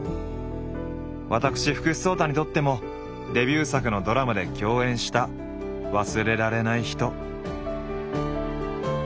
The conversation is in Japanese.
私福士蒼汰にとってもデビュー作のドラマで共演した忘れられない人。